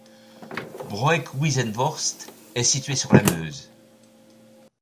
Broekhuizenvorst est situé sur la Meuse.